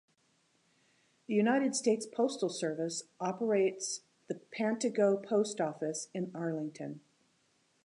The United States Postal Service operates the Pantego Post Office in Arlington.